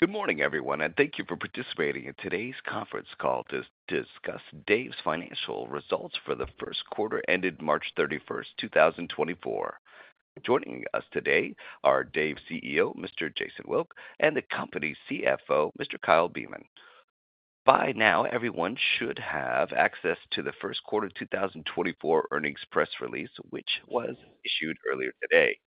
Good morning, everyone, and thank you for participating in today's conference call to discuss Dave's financial results for the first quarter ended March 31st, 2024. Joining us today are Dave's CEO, Mr. Jason Wilk, and the company's CFO, Mr. Kyle Beilman. By now, everyone should have access to the first quarter 2024 earnings press release, which was issued earlier today.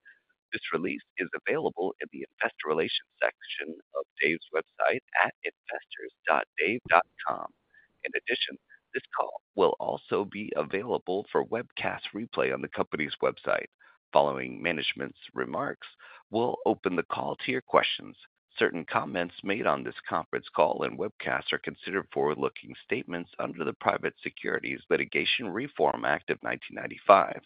This release is available in the investor relations section of Dave's website at investors.dave.com. In addition, this call will also be available for webcast replay on the company's website. Following management's remarks, we'll open the call to your questions. Certain comments made on this conference call and webcast are considered forward-looking statements under the Private Securities Litigation Reform Act of 1995.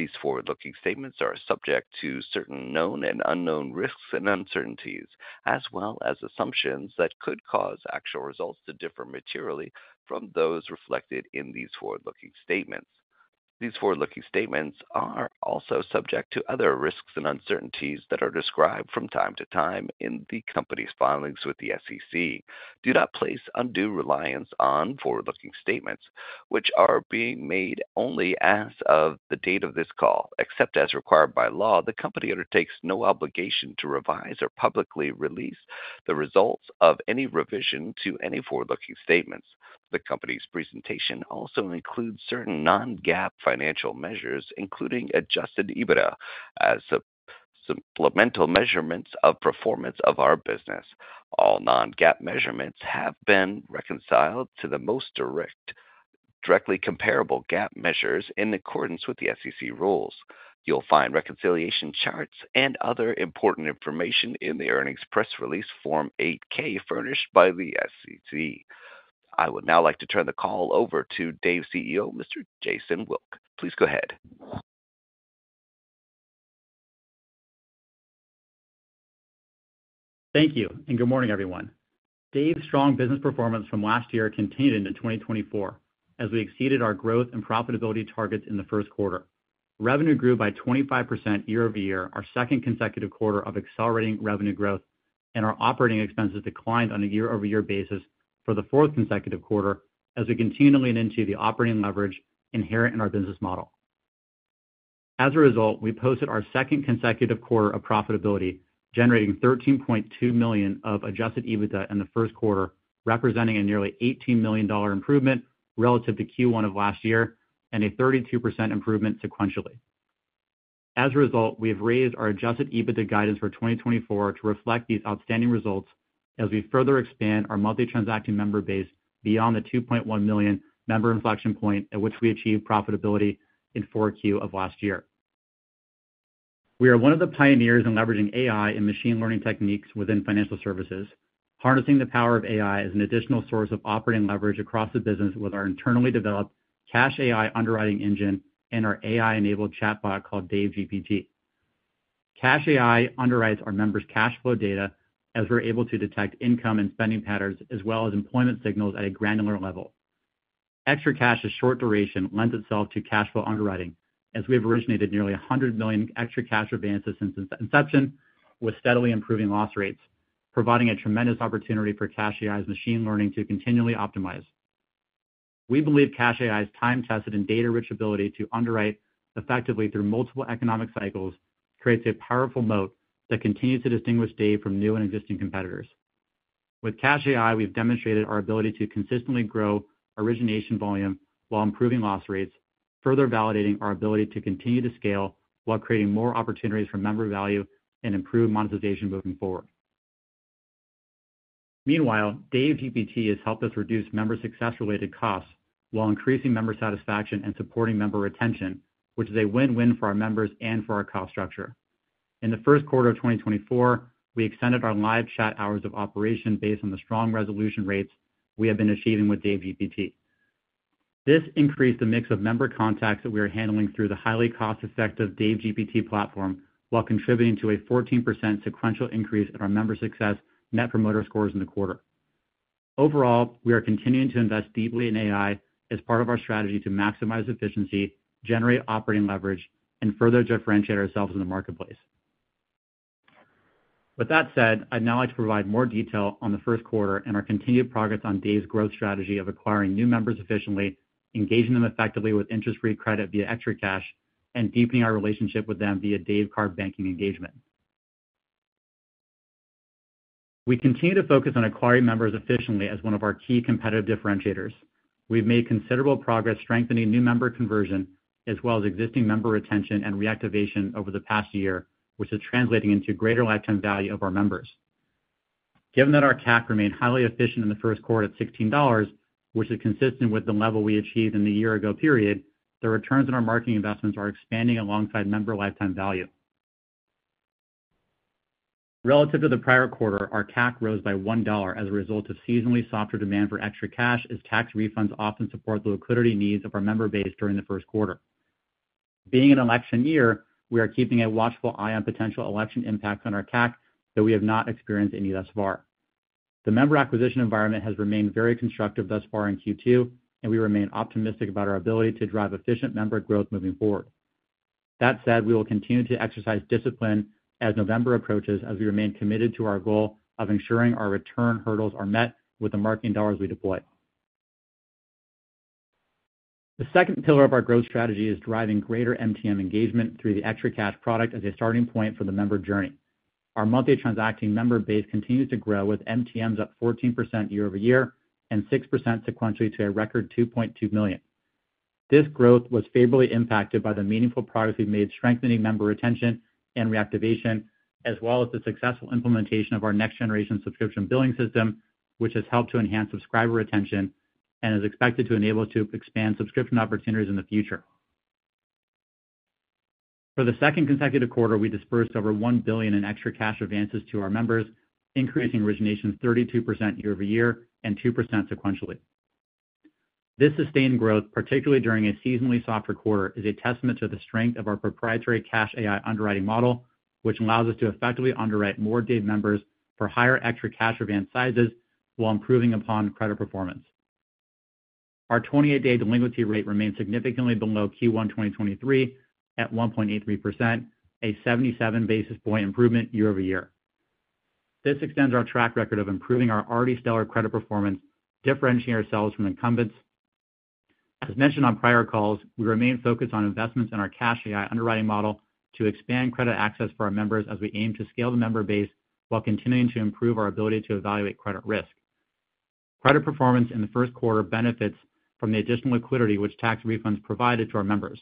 These forward-looking statements are subject to certain known and unknown risks and uncertainties, as well as assumptions that could cause actual results to differ materially from those reflected in these forward-looking statements. These forward-looking statements are also subject to other risks and uncertainties that are described from time to time in the company's filings with the SEC. Do not place undue reliance on forward-looking statements, which are being made only as of the date of this call. Except as required by law, the company undertakes no obligation to revise or publicly release the results of any revision to any forward-looking statements. The company's presentation also includes certain non-GAAP financial measures, including adjusted EBITDA, as supplemental measurements of performance of our business. All non-GAAP measurements have been reconciled to the most directly comparable GAAP measures in accordance with the SEC rules. You'll find reconciliation charts and other important information in the earnings press release Form 8-K, furnished by the SEC. I would now like to turn the call over to Dave's CEO, Mr. Jason Wilk. Please go ahead. Thank you, and good morning, everyone. Dave's strong business performance from last year continued into 2024 as we exceeded our growth and profitability targets in the first quarter. Revenue grew by 25% year-over-year, our second consecutive quarter of accelerating revenue growth, and our operating expenses declined on a year-over-year basis for the fourth consecutive quarter as we continue to lean into the operating leverage inherent in our business model. As a result, we posted our second consecutive quarter of profitability, generating $13.2 million of adjusted EBITDA in the first quarter, representing a nearly $18 million improvement relative to Q1 of last year and a 32% improvement sequentially. As a result, we have raised our adjusted EBITDA guidance for 2024 to reflect these outstanding results as we further expand our monthly transacting member base beyond the 2.1 million member inflection point at which we achieved profitability in Q4 of last year. We are one of the pioneers in leveraging AI and machine learning techniques within financial services, harnessing the power of AI as an additional source of operating leverage across the business with our internally developed CashAI underwriting engine and our AI-enabled chatbot called DaveGPT. CashAI underwrites our members' cash flow data as we're able to detect income and spending patterns, as well as employment signals at a granular level. ExtraCash's short duration lends itself to cash flow underwriting, as we have originated nearly 100 million ExtraCash advances since its inception, with steadily improving loss rates, providing a tremendous opportunity for CashAI's machine learning to continually optimize. We believe CashAI's time-tested and data-rich ability to underwrite effectively through multiple economic cycles creates a powerful moat that continues to distinguish Dave from new and existing competitors. With CashAI, we've demonstrated our ability to consistently grow origination volume while improving loss rates, further validating our ability to continue to scale while creating more opportunities for member value and improved monetization moving forward. Meanwhile, DaveGPT has helped us reduce member success-related costs while increasing member satisfaction and supporting member retention, which is a win-win for our members and for our cost structure. In the first quarter of 2024, we extended our live chat hours of operation based on the strong resolution rates we have been achieving with DaveGPT. This increased the mix of member contacts that we are handling through the highly cost-effective DaveGPT platform, while contributing to a 14% sequential increase in our member success Net Promoter Scores in the quarter. Overall, we are continuing to invest deeply in AI as part of our strategy to maximize efficiency, generate operating leverage, and further differentiate ourselves in the marketplace. With that said, I'd now like to provide more detail on the first quarter and our continued progress on Dave's growth strategy of acquiring new members efficiently, engaging them effectively with interest-free credit via ExtraCash, and deepening our relationship with them via Dave Card banking engagement. We continue to focus on acquiring members efficiently as one of our key competitive differentiators. We've made considerable progress strengthening new member conversion, as well as existing member retention and reactivation over the past year, which is translating into greater lifetime value of our members. Given that our CAC remained highly efficient in the first quarter at $16, which is consistent with the level we achieved in the year ago period, the returns on our marketing investments are expanding alongside member lifetime value. Relative to the prior quarter, our CAC rose by $1 as a result of seasonally softer demand for ExtraCash, as tax refunds often support the liquidity needs of our member base during the first quarter. Being an election year, we are keeping a watchful eye on potential election impacts on our CAC, though we have not experienced any thus far. The member acquisition environment has remained very constructive thus far in Q2, and we remain optimistic about our ability to drive efficient member growth moving forward. That said, we will continue to exercise discipline as November approaches, as we remain committed to our goal of ensuring our return hurdles are met with the marketing dollars we deploy. The second pillar of our growth strategy is driving greater MTM engagement through the ExtraCash product as a starting point for the member journey. Our monthly transacting member base continues to grow, with MTMs up 14% year-over-year and 6% sequentially to a record 2.2 million. This growth was favorably impacted by the meaningful progress we've made strengthening member retention and reactivation, as well as the successful implementation of our next-generation subscription billing system, which has helped to enhance subscriber retention and is expected to enable us to expand subscription opportunities in the future. For the second consecutive quarter, we disbursed over $1 billion in ExtraCash advances to our members, increasing origination 32% year-over-year and 2% sequentially. This sustained growth, particularly during a seasonally soft quarter, is a testament to the strength of our proprietary CashAI underwriting model, which allows us to effectively underwrite more Dave members for higher ExtraCash advance sizes while improving upon credit performance. Our 28-day delinquency rate remains significantly below Q1 2023 at 1.83%, a 77 basis point improvement year-over-year. This extends our track record of improving our already stellar credit performance, differentiating ourselves from incumbents. As mentioned on prior calls, we remain focused on investments in our CashAI underwriting model to expand credit access for our members as we aim to scale the member base while continuing to improve our ability to evaluate credit risk. Credit performance in the first quarter benefits from the additional liquidity which tax refunds provided to our members.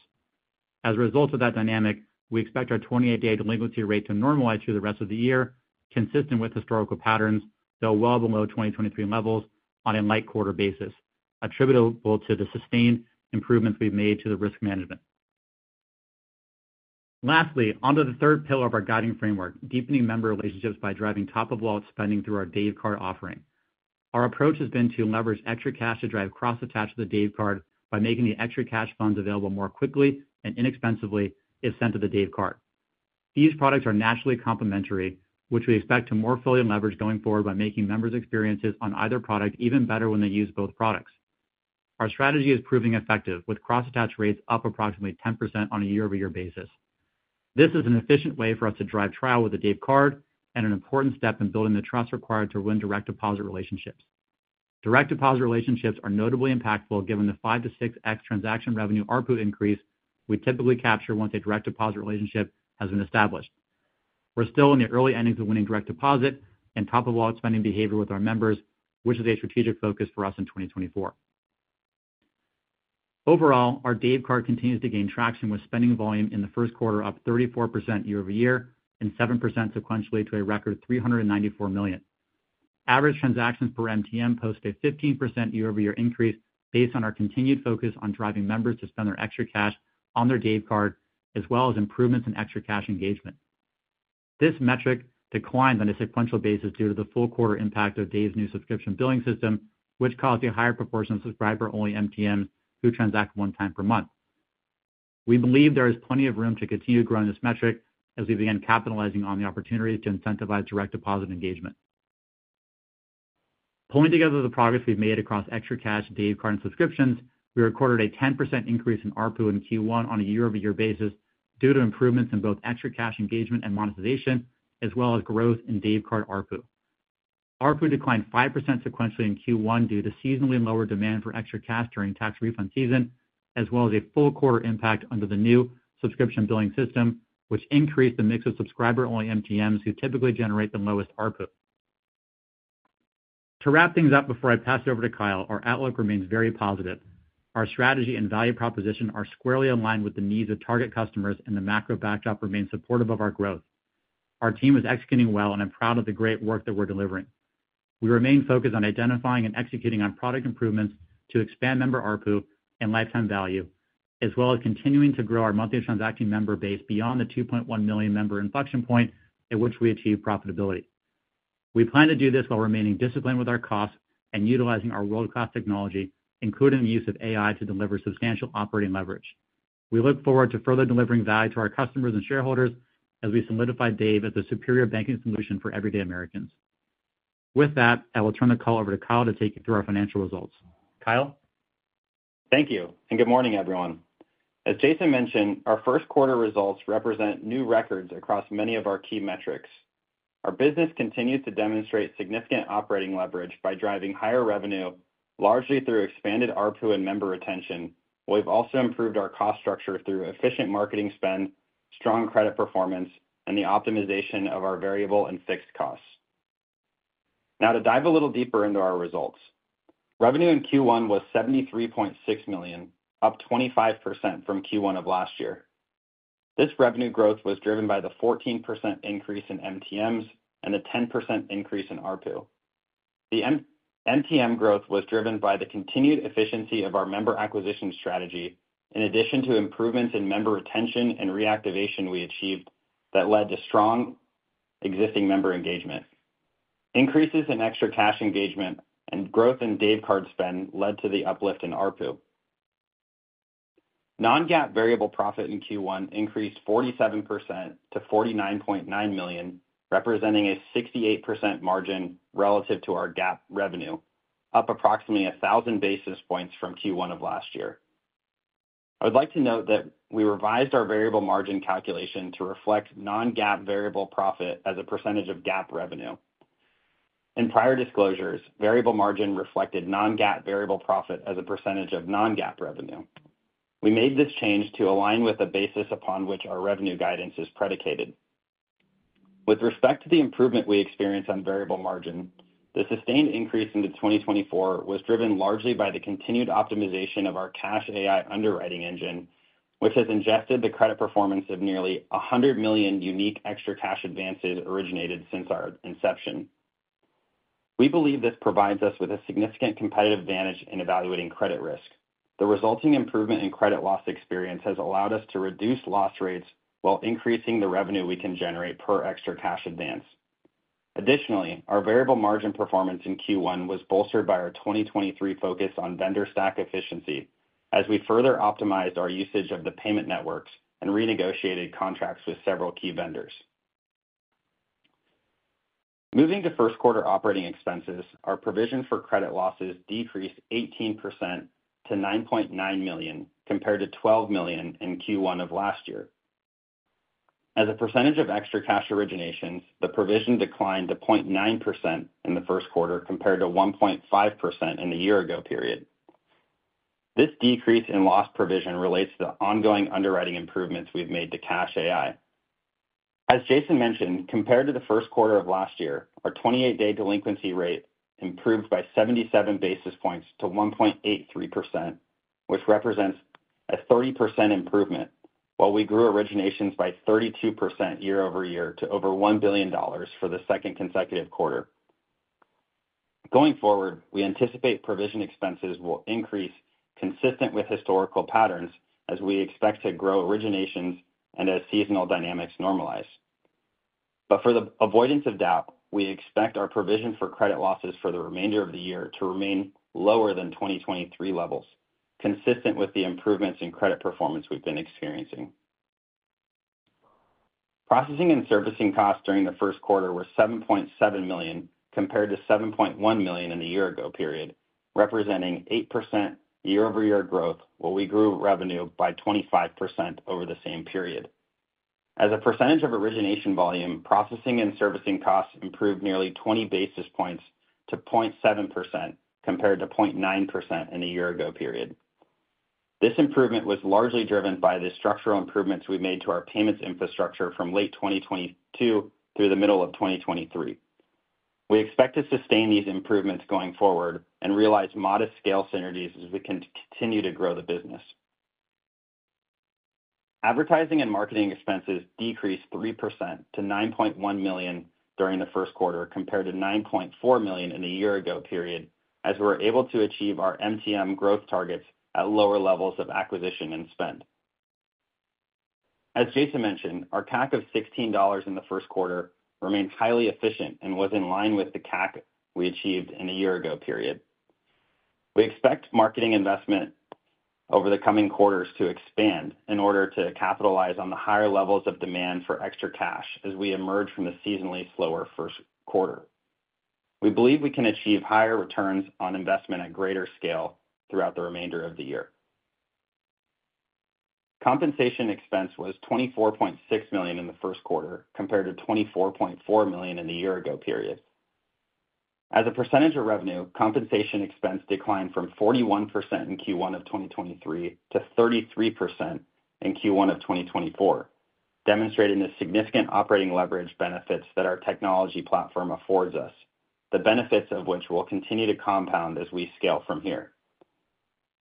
As a result of that dynamic, we expect our 28-day delinquency rate to normalize through the rest of the year, consistent with historical patterns, though well below 2023 levels on a like-quarter basis, attributable to the sustained improvements we've made to the risk management. Lastly, onto the third pillar of our guiding framework, deepening member relationships by driving top-of-wallet spending through our Dave Card offering. Our approach has been to leverage ExtraCash to drive cross-attach to the Dave Card by making the ExtraCash funds available more quickly and inexpensively if sent to the Dave Card. These products are naturally complementary, which we expect to more fully leverage going forward by making members' experiences on either product even better when they use both products. Our strategy is proving effective, with cross-attach rates up approximately 10% on a year-over-year basis. This is an efficient way for us to drive trial with the Dave Card and an important step in building the trust required to win direct deposit relationships. Direct deposit relationships are notably impactful, given the 5-6x transaction revenue ARPU increase we typically capture once a direct deposit relationship has been established. We're still in the early innings of winning direct deposit and top-of-wallet spending behavior with our members, which is a strategic focus for us in 2024. Overall, our Dave Card continues to gain traction, with spending volume in the first quarter up 34% year-over-year and 7% sequentially to a record $394 million. Average transactions per MTM posted a 15% year-over-year increase based on our continued focus on driving members to spend their ExtraCash on their Dave Card, as well as improvements in ExtraCash engagement. This metric declined on a sequential basis due to the full quarter impact of Dave's new subscription billing system, which caused a higher proportion of subscriber-only MTMs who transact one time per month. We believe there is plenty of room to continue growing this metric as we begin capitalizing on the opportunity to incentivize direct deposit engagement. Pulling together the progress we've made across ExtraCash, Dave Card, and subscriptions, we recorded a 10% increase in ARPU in Q1 on a year-over-year basis due to improvements in both ExtraCash engagement and monetization, as well as growth in Dave Card ARPU. ARPU declined 5% sequentially in Q1 due to seasonally lower demand for ExtraCash during tax refund season, as well as a full quarter impact under the new subscription billing system, which increased the mix of subscriber-only MTMs who typically generate the lowest ARPU. To wrap things up before I pass it over to Kyle, our outlook remains very positive. Our strategy and value proposition are squarely aligned with the needs of target customers, and the macro backdrop remains supportive of our growth. Our team is executing well, and I'm proud of the great work that we're delivering. We remain focused on identifying and executing on product improvements to expand member ARPU and lifetime value, as well as continuing to grow our monthly transacting member base beyond the 2.1 million member inflection point at which we achieve profitability. We plan to do this while remaining disciplined with our costs and utilizing our world-class technology, including the use of AI, to deliver substantial operating leverage. We look forward to further delivering value to our customers and shareholders as we solidify Dave as a superior banking solution for everyday Americans. With that, I will turn the call over to Kyle to take you through our financial results. Kyle? Thank you, and good morning, everyone. As Jason mentioned, our first quarter results represent new records across many of our key metrics. Our business continues to demonstrate significant operating leverage by driving higher revenue, largely through expanded ARPU and member retention. We've also improved our cost structure through efficient marketing spend, strong credit performance, and the optimization of our variable and fixed costs. Now, to dive a little deeper into our results. Revenue in Q1 was $73.6 million, up 25% from Q1 of last year. This revenue growth was driven by the 14% increase in MTMs and a 10% increase in ARPU. The MTM growth was driven by the continued efficiency of our member acquisition strategy, in addition to improvements in member retention and reactivation we achieved that led to strong existing member engagement. Increases in ExtraCash engagement and growth in Dave Card spend led to the uplift in ARPU. Non-GAAP variable profit in Q1 increased 47% to $49.9 million, representing a 68% margin relative to our GAAP revenue, up approximately 1,000 basis points from Q1 of last year. I would like to note that we revised our variable margin calculation to reflect non-GAAP variable profit as a percentage of GAAP revenue. In prior disclosures, variable margin reflected non-GAAP variable profit as a percentage of non-GAAP revenue. We made this change to align with the basis upon which our revenue guidance is predicated. With respect to the improvement we experienced on variable margin, the sustained increase into 2024 was driven largely by the continued optimization of our CashAI underwriting engine, which has ingested the credit performance of nearly 100 million unique ExtraCash advances originated since our inception. We believe this provides us with a significant competitive advantage in evaluating credit risk. The resulting improvement in credit loss experience has allowed us to reduce loss rates while increasing the revenue we can generate per ExtraCash advance. Additionally, our variable margin performance in Q1 was bolstered by our 2023 focus on vendor stack efficiency as we further optimized our usage of the payment networks and renegotiated contracts with several key vendors. Moving to first quarter operating expenses, our provision for credit losses decreased 18% to $9.9 million, compared to $12 million in Q1 of last year. As a percentage of ExtraCash originations, the provision declined to 0.9% in the first quarter, compared to 1.5% in the year ago period. This decrease in loss provision relates to the ongoing underwriting improvements we've made to CashAI. As Jason mentioned, compared to the first quarter of last year, our 28-day delinquency rate improved by 77 basis points to 1.83%, which represents a 30% improvement, while we grew originations by 32% year-over-year to over $1 billion for the second consecutive quarter. Going forward, we anticipate provision expenses will increase consistent with historical patterns as we expect to grow originations and as seasonal dynamics normalize. But for the avoidance of doubt, we expect our provision for credit losses for the remainder of the year to remain lower than 2023 levels, consistent with the improvements in credit performance we've been experiencing. Processing and servicing costs during the first quarter were $7.7 million, compared to $7.1 million in the year ago period, representing 8% year-over-year growth, while we grew revenue by 25% over the same period. As a percentage of origination volume, processing and servicing costs improved nearly 20 basis points to 0.7%, compared to 0.9% in the year ago period. This improvement was largely driven by the structural improvements we've made to our payments infrastructure from late 2022 through the middle of 2023. We expect to sustain these improvements going forward and realize modest scale synergies as we continue to grow the business. Advertising and marketing expenses decreased 3% to $9.1 million during the first quarter, compared to $9.4 million in the year ago period, as we were able to achieve our MTM growth targets at lower levels of acquisition and spend. As Jason mentioned, our CAC of $16 in the first quarter remains highly efficient and was in line with the CAC we achieved in the year ago period. We expect marketing investment over the coming quarters to expand in order to capitalize on the higher levels of demand for ExtraCash as we emerge from the seasonally slower first quarter. We believe we can achieve higher returns on investment at greater scale throughout the remainder of the year. Compensation expense was $24.6 million in the first quarter, compared to $24.4 million in the year ago period. As a percentage of revenue, compensation expense declined from 41% in Q1 of 2023 to 33% in Q1 of 2024, demonstrating the significant operating leverage benefits that our technology platform affords us, the benefits of which will continue to compound as we scale from here.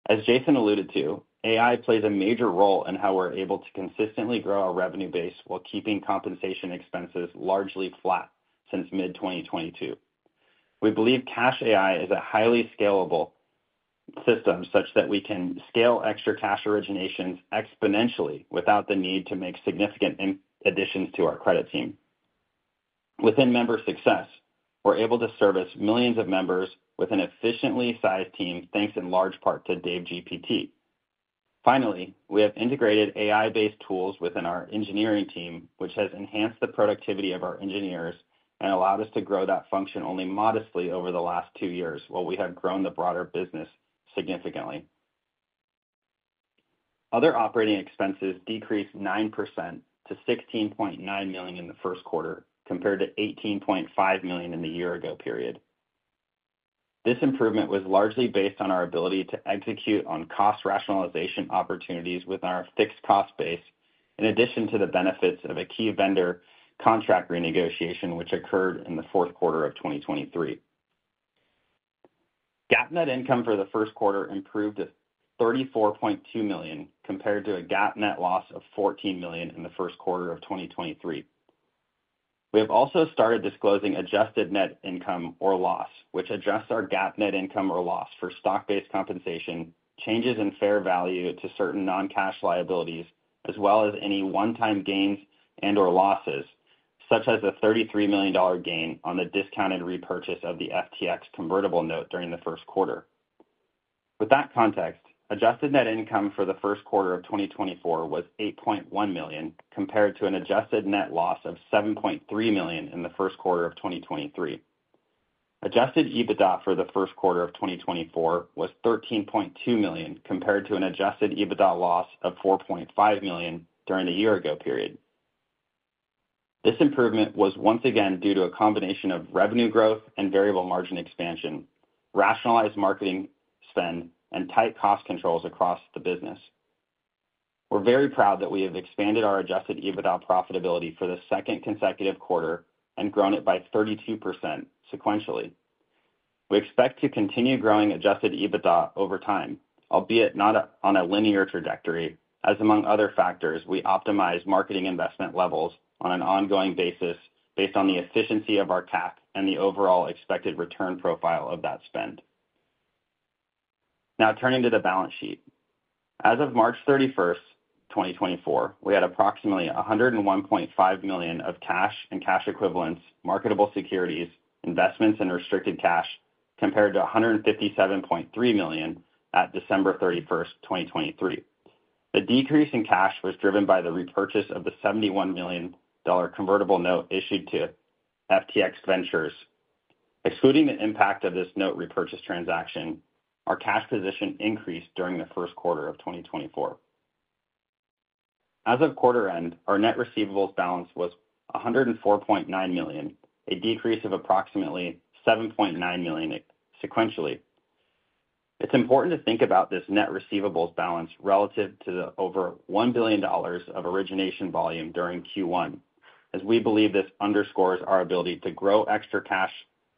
As Jason alluded to, AI plays a major role in how we're able to consistently grow our revenue base while keeping compensation expenses largely flat since mid-2022. We believe CashAI is a highly scalable system, such that we can scale ExtraCash originations exponentially without the need to make significant additions to our credit team. Within member success, we're able to service millions of members with an efficiently sized team, thanks in large part to DaveGPT. Finally, we have integrated AI-based tools within our engineering team, which has enhanced the productivity of our engineers and allowed us to grow that function only modestly over the last two years, while we have grown the broader business significantly. Other operating expenses decreased 9% to $16.9 million in the first quarter, compared to $18.5 million in the year ago period. This improvement was largely based on our ability to execute on cost rationalization opportunities with our fixed cost base, in addition to the benefits of a key vendor contract renegotiation, which occurred in the fourth quarter of 2023. GAAP net income for the first quarter improved to $34.2 million, compared to a GAAP net loss of $14 million in the first quarter of 2023. We have also started disclosing adjusted net income or loss, which adjusts our GAAP net income or loss for stock-based compensation, changes in fair value to certain non-cash liabilities, as well as any one-time gains and/or losses, such as the $33 million gain on the discounted repurchase of the FTX convertible note during the first quarter. With that context, adjusted net income for the first quarter of 2024 was $8.1 million, compared to an adjusted net loss of $7.3 million in the first quarter of 2023. Adjusted EBITDA for the first quarter of 2024 was $13.2 million, compared to an adjusted EBITDA loss of $4.5 million during the year ago period. This improvement was once again due to a combination of revenue growth and variable margin expansion, rationalized marketing spend, and tight cost controls across the business. We're very proud that we have expanded our adjusted EBITDA profitability for the second consecutive quarter and grown it by 32% sequentially. We expect to continue growing adjusted EBITDA over time, albeit not on a linear trajectory, as among other factors, we optimize marketing investment levels on an ongoing basis, based on the efficiency of our CAC and the overall expected return profile of that spend. Now turning to the balance sheet. As of March 31st, 2024, we had approximately $101.5 million of cash and cash equivalents, marketable securities, investments, and restricted cash, compared to $157.3 million at December 31st, 2023. The decrease in cash was driven by the repurchase of the $71 million convertible note issued to FTX Ventures. Excluding the impact of this note repurchase transaction, our cash position increased during the first quarter of 2024. As of quarter end, our net receivables balance was $104.9 million, a decrease of approximately $7.9 million sequentially. It's important to think about this net receivables balance relative to the over $1 billion of origination volume during Q1, as we believe this underscores our ability to grow ExtraCash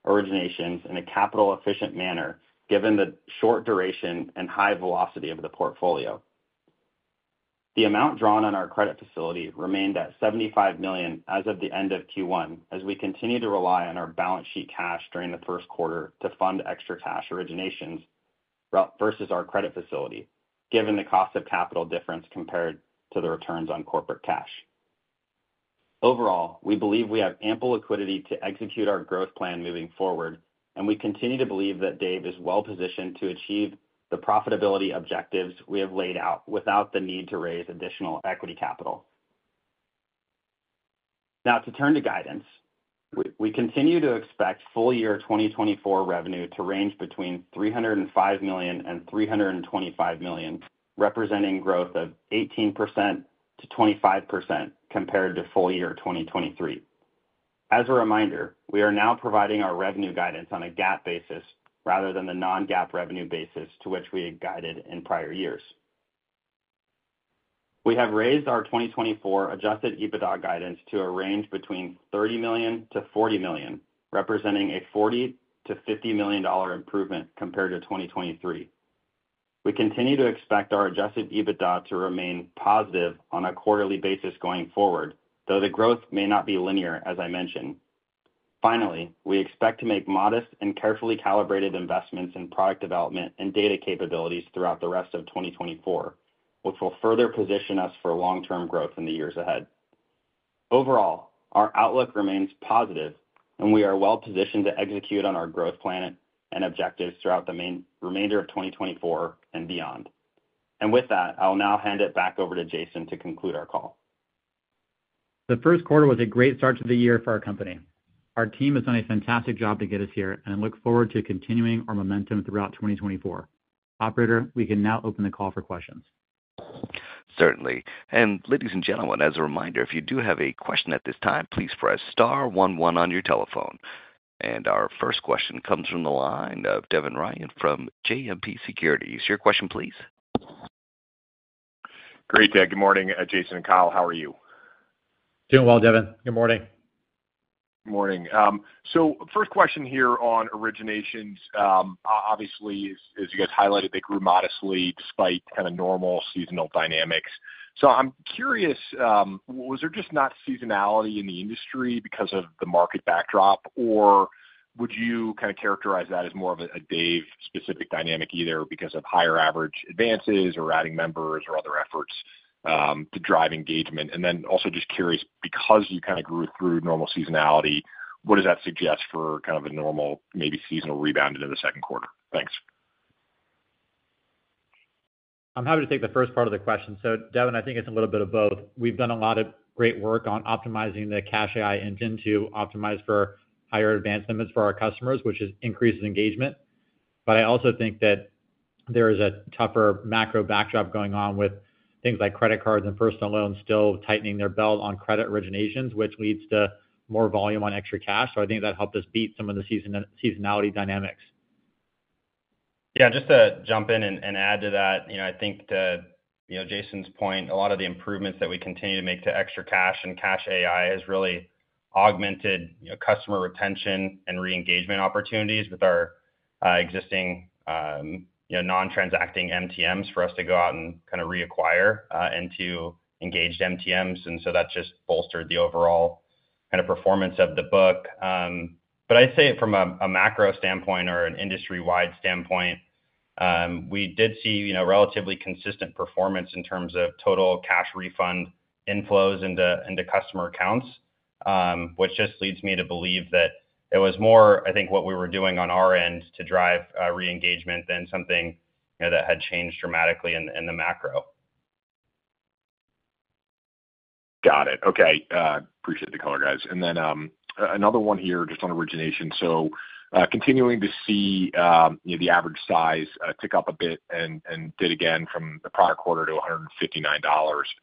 originations in a capital-efficient manner, given the short duration and high velocity of the portfolio. The amount drawn on our credit facility remained at $75 million as of the end of Q1, as we continue to rely on our balance sheet cash during the first quarter to fund ExtraCash originations, well, versus our credit facility, given the cost of capital difference compared to the returns on corporate cash. Overall, we believe we have ample liquidity to execute our growth plan moving forward, and we continue to believe that Dave is well-positioned to achieve the profitability objectives we have laid out without the need to raise additional equity capital. Now, to turn to guidance, we continue to expect full year 2024 revenue to range between $305 million and $325 million, representing growth of 18%-25% compared to full year 2023. As a reminder, we are now providing our revenue guidance on a GAAP basis rather than the non-GAAP revenue basis to which we had guided in prior years. We have raised our 2024 adjusted EBITDA guidance to a range between $30 million to $40 million, representing a $40 million-$50 million improvement compared to 2023. We continue to expect our adjusted EBITDA to remain positive on a quarterly basis going forward, though the growth may not be linear, as I mentioned. Finally, we expect to make modest and carefully calibrated investments in product development and data capabilities throughout the rest of 2024, which will further position us for long-term growth in the years ahead. Overall, our outlook remains positive, and we are well-positioned to execute on our growth plan and objectives throughout the remainder of 2024 and beyond. And with that, I'll now hand it back over to Jason to conclude our call. The first quarter was a great start to the year for our company. Our team has done a fantastic job to get us here, and I look forward to continuing our momentum throughout 2024. Operator, we can now open the call for questions. Certainly. Ladies and gentlemen, as a reminder, if you do have a question at this time, please press star one one on your telephone. Our first question comes from the line of Devin Ryan from JMP Securities. Your question, please. Great, Dave. Good morning, Jason and Kyle. How are you? Doing well, Devin. Good morning. Good morning. So first question here on originations. Obviously, as you guys highlighted, they grew modestly despite kind of normal seasonal dynamics. So I'm curious, was there just not seasonality in the industry because of the market backdrop, or would you kind of characterize that as more of a Dave-specific dynamic, either because of higher average advances or adding members or other efforts to drive engagement? And then also just curious, because you kind of grew through normal seasonality, what does that suggest for kind of a normal, maybe seasonal rebound into the second quarter? Thanks. I'm happy to take the first part of the question. So Devin, I think it's a little bit of both. We've done a lot of great work on optimizing the CashAI engine to optimize for higher advance limits for our customers, which has increased engagement. But I also think that there is a tougher macro backdrop going on with things like credit cards and personal loans still tightening their belt on credit originations, which leads to more volume on ExtraCash. So I think that helped us beat some of the seasonality dynamics. Yeah, just to jump in and add to that, you know, I think to, you know, Jason's point, a lot of the improvements that we continue to make to ExtraCash and CashAI has really augmented, you know, customer retention and reengagement opportunities with our, existing, you know, non-transacting MTMs for us to go out and kind of reacquire into engaged MTMs. And so that just bolstered the overall kind of performance of the book. But I'd say from a macro standpoint or an industry-wide standpoint, we did see, you know, relatively consistent performance in terms of total cash refund inflows into customer accounts.... which just leads me to believe that it was more, I think, what we were doing on our end to drive reengagement than something, you know, that had changed dramatically in the macro. Got it. Okay. Appreciate the color, guys. And then, another one here just on origination. So, continuing to see, you know, the average size tick up a bit and did again from the prior quarter to a $159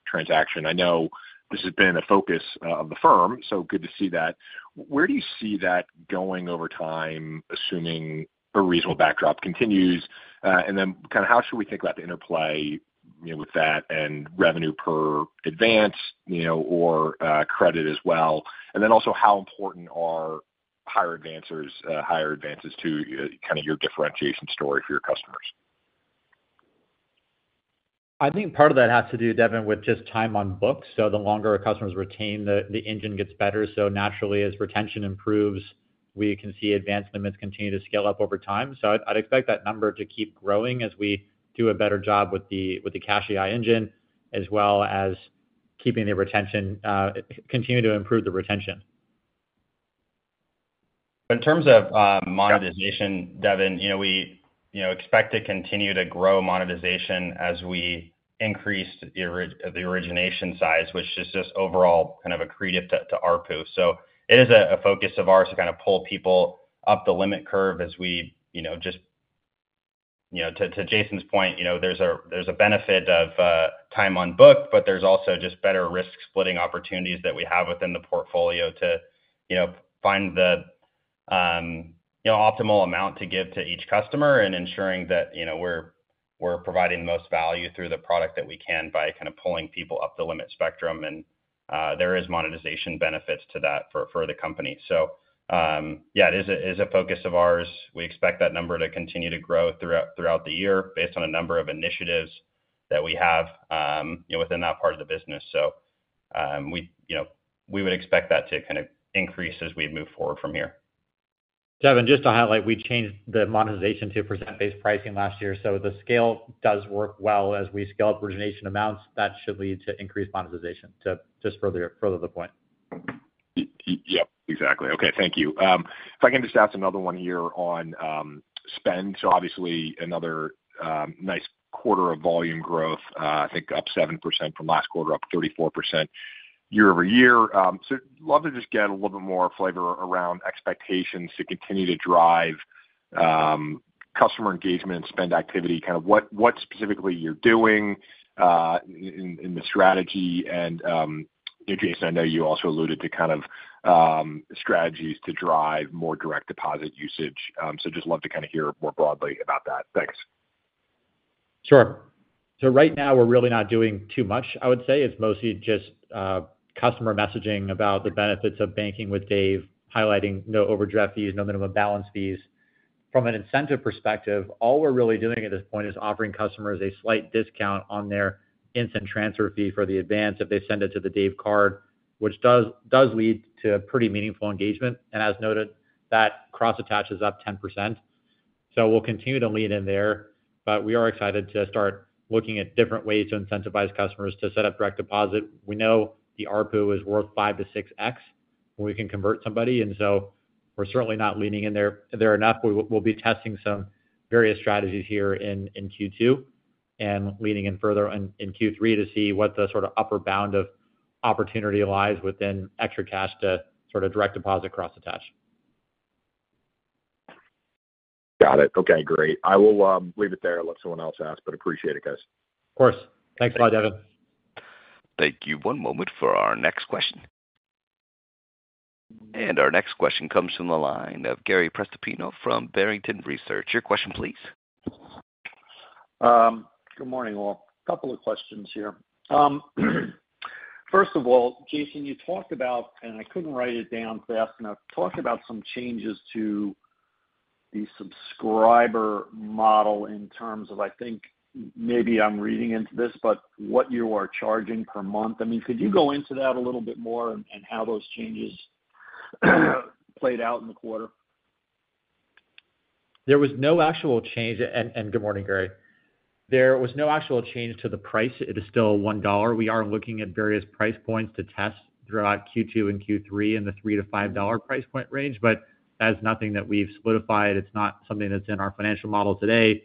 transaction. I know this has been a focus of the firm, so good to see that. Where do you see that going over time, assuming a reasonable backdrop continues? And then kind of how should we think about the interplay, you know, with that and revenue per advance, you know, or credit as well? And then also, how important are higher advancers, higher advances to kind of your differentiation story for your customers? I think part of that has to do, Devin, with just time on book. So the longer our customers retain, the engine gets better. So naturally, as retention improves, we can see advance limits continue to scale up over time. So I'd expect that number to keep growing as we do a better job with the CashAI engine, as well as keeping the retention, continue to improve the retention. But in terms of, monetization- Got it... Devin, you know, we, you know, expect to continue to grow monetization as we increase the origination size, which is just overall kind of accretive to ARPU. So it is a focus of ours to kind of pull people up the limit curve as we, you know, just... You know, to Jason's point, you know, there's a benefit of time on book, but there's also just better risk-splitting opportunities that we have within the portfolio to, you know, find the optimal amount to give to each customer and ensuring that, you know, we're providing the most value through the product that we can by kind of pulling people up the limit spectrum. And there is monetization benefits to that for the company. So, yeah, it is a focus of ours. We expect that number to continue to grow throughout the year based on a number of initiatives that we have, you know, within that part of the business. So, we, you know, we would expect that to kind of increase as we move forward from here. Devin, just to highlight, we changed the monetization to percent-based pricing last year, so the scale does work well. As we scale up origination amounts, that should lead to increased monetization to just further, further the point. Yep, exactly. Okay, thank you. If I can just ask another one here on spend. So obviously another nice quarter of volume growth, I think up 7% from last quarter, up 34% year-over-year. So love to just get a little bit more flavor around expectations to continue to drive customer engagement and spend activity. Kind of what specifically you're doing in the strategy. And Jason, I know you also alluded to kind of strategies to drive more direct deposit usage. So just love to kind of hear more broadly about that. Thanks. Sure. So right now, we're really not doing too much, I would say. It's mostly just customer messaging about the benefits of banking with Dave, highlighting no overdraft fees, no minimum balance fees. From an incentive perspective, all we're really doing at this point is offering customers a slight discount on their instant transfer fee for the advance if they send it to the Dave Card, which does, does lead to a pretty meaningful engagement. And as noted, that cross-attach is up 10%. So we'll continue to lean in there, but we are excited to start looking at different ways to incentivize customers to set up direct deposit. We know the ARPU is worth 5-6x when we can convert somebody, and so we're certainly not leaning in there enough. We'll be testing some various strategies here in Q2 and leaning in further in Q3 to see what the sort of upper bound of opportunity lies within ExtraCash to sort of direct deposit cross-attach. Got it. Okay, great. I will leave it there and let someone else ask, but appreciate it, guys. Of course. Thanks a lot, Devin. Thank you. One moment for our next question. Our next question comes from the line of Gary Prestopino from Barrington Research. Your question, please. Good morning, all. Couple of questions here. First of all, Jason, you talked about, and I couldn't write it down fast enough. Talk about some changes to the subscriber model in terms of, I think, maybe I'm reading into this, but what you are charging per month. I mean, could you go into that a little bit more and, and how those changes played out in the quarter? There was no actual change. Good morning, Gary. There was no actual change to the price. It is still $1. We are looking at various price points to test throughout Q2 and Q3 in the $3-$5 price point range, but that's nothing that we've solidified. It's not something that's in our financial model today.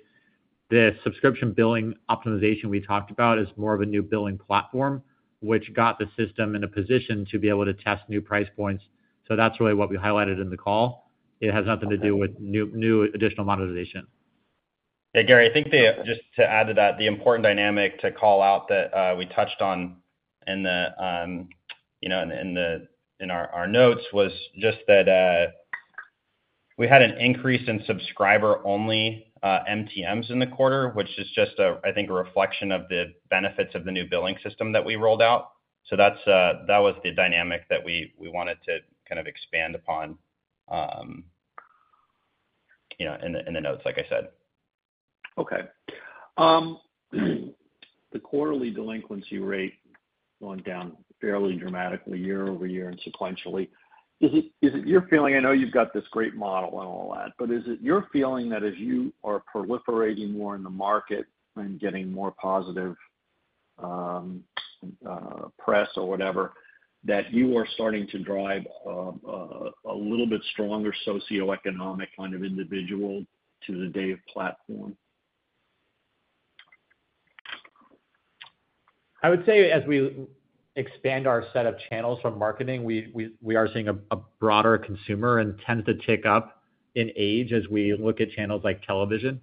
The subscription billing optimization we talked about is more of a new billing platform, which got the system in a position to be able to test new price points. So that's really what we highlighted in the call. It has nothing to do with new, new additional monetization. Hey, Gary, I think just to add to that, the important dynamic to call out that we touched on in our notes was just that we had an increase in subscriber-only MTMs in the quarter, which is just a, I think, a reflection of the benefits of the new billing system that we rolled out. So that's that was the dynamic that we wanted to kind of expand upon, you know, in the notes, like I said. Okay. The quarterly delinquency rate going down fairly dramatically year-over-year and sequentially. Is it, is it your feeling? I know you've got this great model and all that, but is it your feeling that as you are proliferating more in the market and getting more positive press or whatever, that you are starting to drive a little bit stronger socioeconomic kind of individual to the Dave platform? I would say as we expand our set of channels from marketing, we are seeing a broader consumer and tend to tick up in age as we look at channels like television.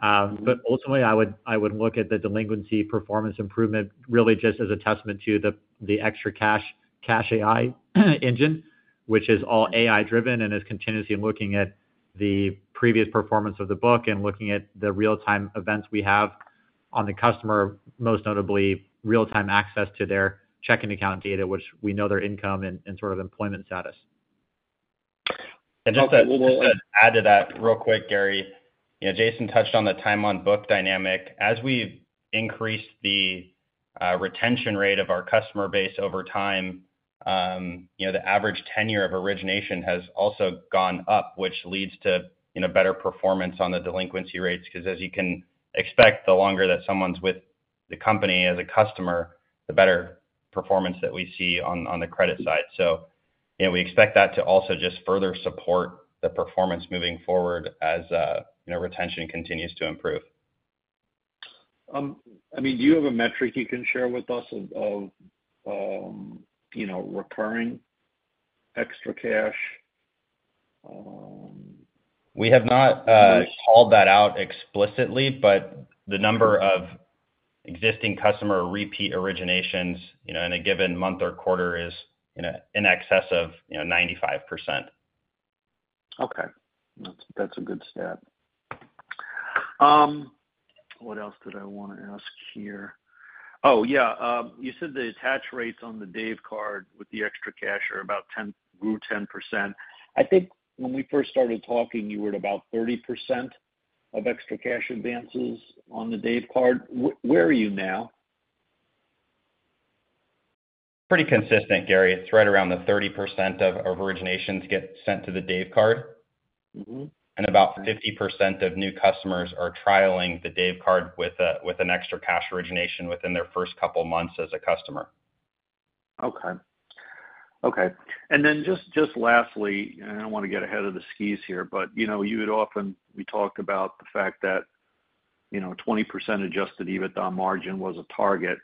But ultimately, I would look at the delinquency performance improvement really just as a testament to the ExtraCash CashAI engine, which is all AI-driven and is continuously looking at the previous performance of the book and looking at the real-time events we have on the customer, most notably real-time access to their checking account data, which we know their income and sort of employment status. Just to add to that real quick, Gary. You know, Jason touched on the time on book dynamic. As we increase the retention rate of our customer base over time, you know, the average tenure of origination has also gone up, which leads to, you know, better performance on the delinquency rates, because as you can expect, the longer that someone's with the company as a customer, the better performance that we see on the credit side. So, you know, we expect that to also just further support the performance moving forward as, you know, retention continues to improve. I mean, do you have a metric you can share with us of, you know, recurring ExtraCash? We have not called that out explicitly, but the number of existing customer repeat originations, you know, in a given month or quarter is, you know, in excess of, you know, 95%. Okay. That's, that's a good stat. What else did I want to ask here? Oh, yeah. You said the attach rates on the Dave Card with the ExtraCash are about 10, grew 10%. I think when we first started talking, you were at about 30% of ExtraCash advances on the Dave Card. Where are you now? Pretty consistent, Gary. It's right around the 30% of originations get sent to the Dave Card. Mm-hmm. About 50% of new customers are trialing the Dave Card with an ExtraCash origination within their first couple months as a customer. Okay. Okay. And then just, just lastly, and I don't want to get ahead of the skis here, but, you know, you had often... We talked about the fact that, you know, 20% adjusted EBITDA margin was a target,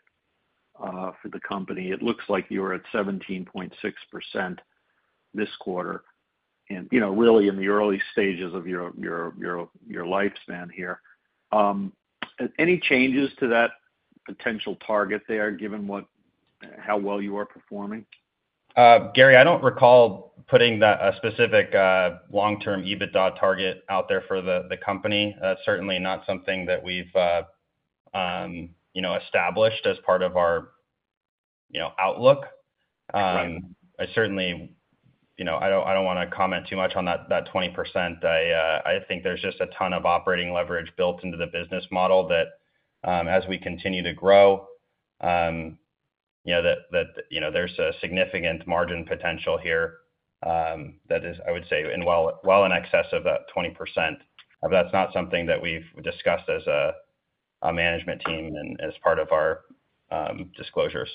for the company. It looks like you were at 17.6% this quarter, and, you know, really in the early stages of your, your, your, your lifespan here. Any changes to that potential target there, given what - how well you are performing? Gary, I don't recall putting that, a specific, long-term EBITDA target out there for the company. That's certainly not something that we've, you know, established as part of our, you know, outlook. Right. I certainly, you know, I don't, I don't want to comment too much on that, that 20%. I, I think there's just a ton of operating leverage built into the business model that, as we continue to grow, you know, that, that, you know, there's a significant margin potential here, that is, I would say, well, well in excess of that 20%. But that's not something that we've discussed as a, a management team and as part of our, disclosures.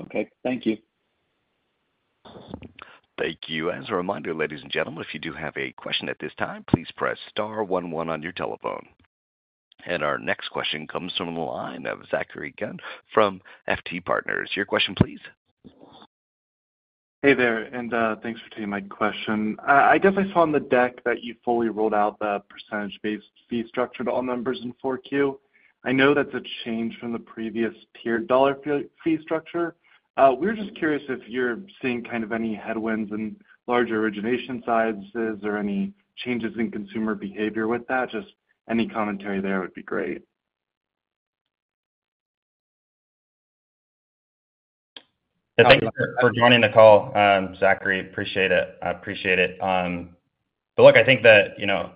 Okay, thank you. Thank you. As a reminder, ladies and gentlemen, if you do have a question at this time, please press star one one on your telephone. And our next question comes from the line of Zachary Gunn from FT Partners. Your question, please. Hey there, and thanks for taking my question. I guess I saw on the deck that you fully rolled out the percentage-based fee structure to all members in 4Q. I know that's a change from the previous tiered dollar fee, fee structure. We're just curious if you're seeing kind of any headwinds in larger origination sizes or any changes in consumer behavior with that? Just any commentary there would be great. Thank you for joining the call, Zachary. Appreciate it. I appreciate it. But look, I think that, you know,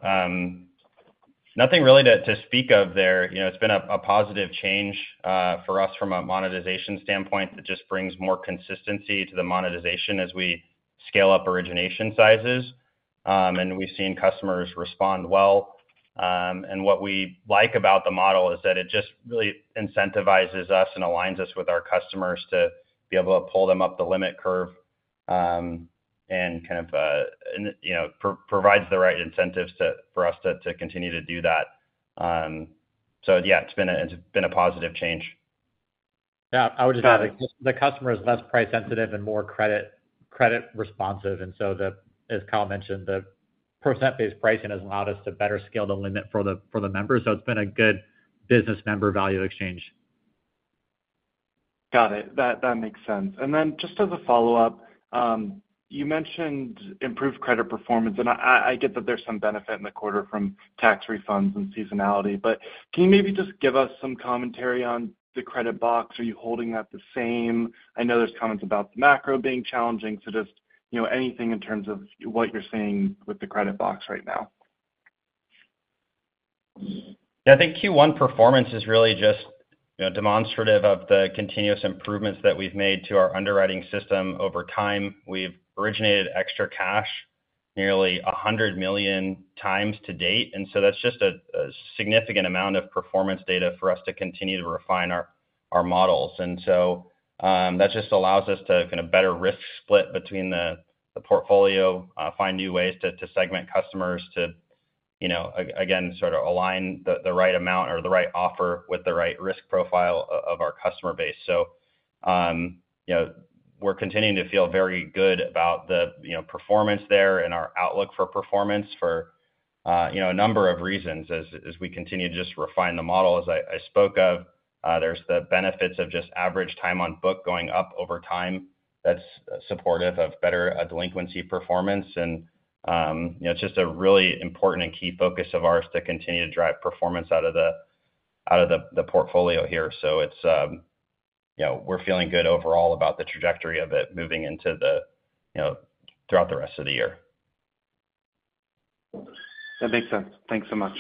nothing really to speak of there. You know, it's been a positive change for us from a monetization standpoint. It just brings more consistency to the monetization as we scale up origination sizes. And we've seen customers respond well. And what we like about the model is that it just really incentivizes us and aligns us with our customers to be able to pull them up the limit curve, and kind of, you know, provides the right incentives to for us to continue to do that. So yeah, it's been a positive change. Yeah, I would just add, the customer is less price sensitive and more credit responsive, and so the... As Kyle mentioned, the percent-based pricing has allowed us to better scale the limit for the members, so it's been a good business member value exchange. Got it. That makes sense. And then just as a follow-up, you mentioned improved credit performance, and I get that there's some benefit in the quarter from tax refunds and seasonality, but can you maybe just give us some commentary on the credit box? Are you holding at the same? I know there's comments about the macro being challenging, so just, you know, anything in terms of what you're seeing with the credit box right now. I think Q1 performance is really just, you know, demonstrative of the continuous improvements that we've made to our underwriting system over time. We've originated ExtraCash nearly 100 million times to date, and so that's just a significant amount of performance data for us to continue to refine our models. And so, that just allows us to kind of better risk split between the portfolio, find new ways to segment customers to, you know, again, sort of align the right amount or the right offer with the right risk profile of our customer base. So, you know, we're continuing to feel very good about the, you know, performance there and our outlook for performance for, you know, a number of reasons. As we continue to just refine the model, as I spoke of, there's the benefits of just average time on book going up over time that's supportive of better delinquency performance. And, you know, it's just a really important and key focus of ours to continue to drive performance out of the portfolio here. So it's, you know, we're feeling good overall about the trajectory of it moving into the, you know, throughout the rest of the year. That makes sense. Thanks so much.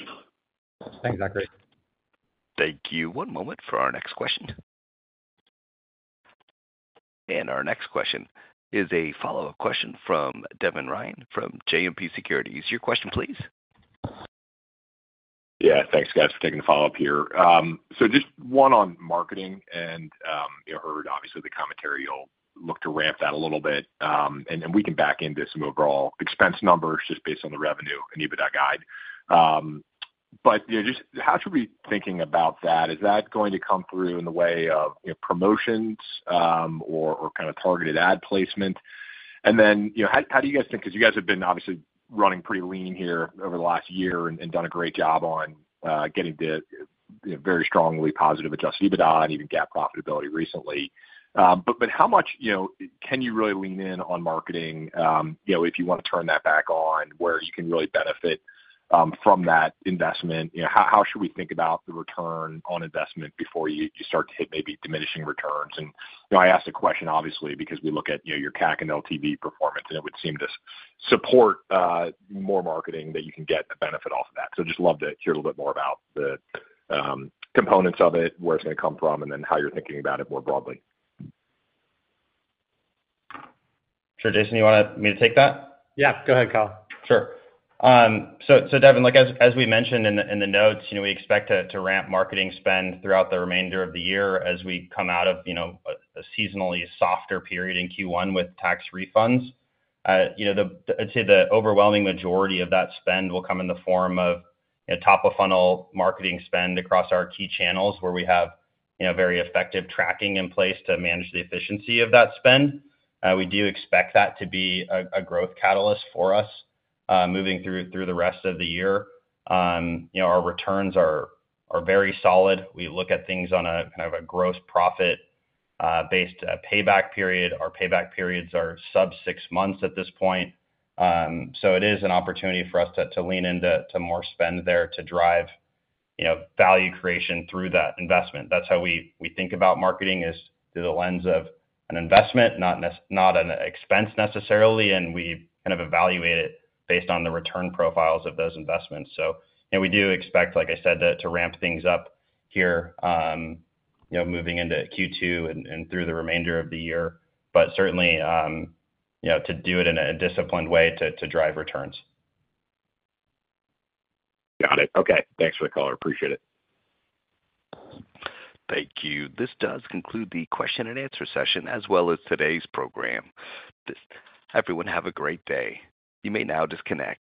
Thanks, Zachary. Thank you. One moment for our next question. Our next question is a follow-up question from Devin Ryan from JMP Securities. Your question, please. Yeah, thanks, guys, for taking the follow-up here. So just one on marketing and, you heard obviously the commentary. You'll look to ramp that a little bit, and we can back into some overall expense numbers just based on the revenue and EBITDA guide. But, you know, just how should we be thinking about that? Is that going to come through in the way of, you know, promotions, or kind of targeted ad placement? And then, you know, how do you guys think? 'Cause you guys have been obviously running pretty lean here over the last year and done a great job on getting to, you know, very strongly positive adjusted EBITDA and even GAAP profitability recently. But how much, you know, can you really lean in on marketing, you know, if you want to turn that back on, where you can really benefit from that investment? You know, how should we think about the return on investment before you start to hit maybe diminishing returns? And, you know, I ask the question obviously because we look at, you know, your CAC and LTV performance, and it would seem to support more marketing that you can get a benefit off of that. So just love to hear a little bit more about the components of it, where it's gonna come from, and then how you're thinking about it more broadly. Sure. Jason, you want me to take that? Yeah, go ahead, Kyle. Sure. So, Devin, like, as we mentioned in the notes, you know, we expect to ramp marketing spend throughout the remainder of the year as we come out of, you know, a seasonally softer period in Q1 with tax refunds. You know, the... I'd say the overwhelming majority of that spend will come in the form of a top-of-funnel marketing spend across our key channels, where we have, you know, very effective tracking in place to manage the efficiency of that spend. We do expect that to be a growth catalyst for us, moving through the rest of the year. You know, our returns are very solid. We look at things on a kind of a gross profit based payback period. Our payback periods are sub six months at this point. So it is an opportunity for us to lean into more spend there to drive, you know, value creation through that investment. That's how we think about marketing, is through the lens of an investment, not an expense necessarily, and we kind of evaluate it based on the return profiles of those investments. So, you know, we do expect, like I said, to ramp things up here, you know, moving into Q2 and through the remainder of the year, but certainly, you know, to do it in a disciplined way to drive returns. Got it. Okay. Thanks for the color. I appreciate it. Thank you. This does conclude the question and answer session, as well as today's program. Just everyone have a great day. You may now disconnect.